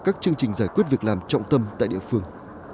các chương trình giải quyết việc làm trọng tâm tại địa phương